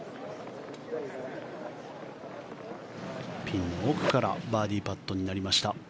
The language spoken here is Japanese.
ピンの奥からバーディーパットになりました。